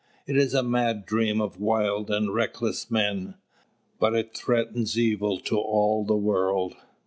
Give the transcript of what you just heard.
It is a mad dream of wild and reckless men. But it threatens evil to all the world.